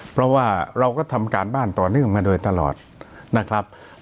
เพราะว่าเราก็ทำการบ้านต่อเนื่องมาโดยตลอดนะครับ